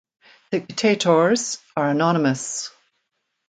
The "ktetor"s are anonymous.